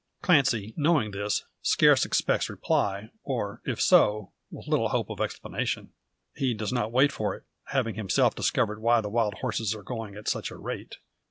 Clancy, knowing this, scarce expects reply; or, if so, with little hope of explanation. He does not wait for it, having himself discovered why the wild horses are going at such a rate.